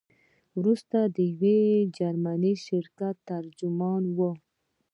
وروسته د یو جرمني شرکت ترجمان وو.